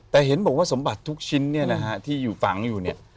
แต่เห็นบอกว่าสมบัติทุกชิ้นที่ฝังอยู่เนี่ย